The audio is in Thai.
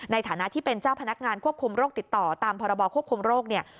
ในฐานะที่เป็นเจ้าพนักงานควบคุมโรคติดต่อตามพรบควบคุมโรคเนี่ย